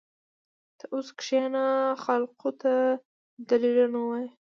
ته اوس کښېنه خلقو ته دليلونه ووايه.